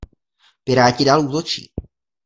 Piráti dál útočí.